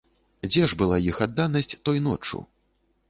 Дзе ж была іх адданасць той ноччу?